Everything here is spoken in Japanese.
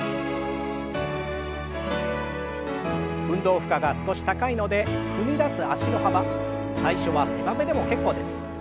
運動負荷が少し高いので踏み出す脚の幅最初は狭めでも結構です。